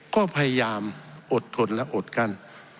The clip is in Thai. ก็พยายามอดทนและอดกั้น